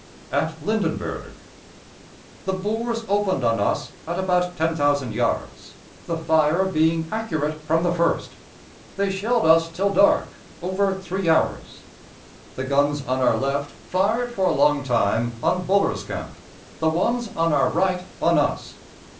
At Lyndenburg: The Boers opened on us at about 10,000 yards, the fire being accurate from the first. They shelled us till dark, over three hours. The guns on our left fired for a long time on Buller's camp, the ones on our right on us.